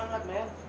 mantep banget men